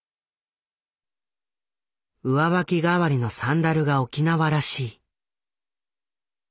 上履きがわりのサンダルが沖縄らしい。